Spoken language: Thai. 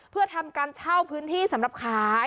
เพื่อทำการเช่าพื้นที่สำหรับขาย